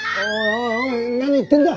おいおい何言ってんだ？